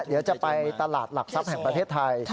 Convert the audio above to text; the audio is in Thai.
เดี๋ยวจะไปตลาดหลักทรัพย์แห่งประเทศไทย